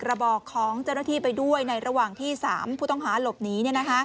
ระบอกของเจ้าหน้าที่ไปด้วยในระหว่างที่๓ผู้ต้องหาหลบหนี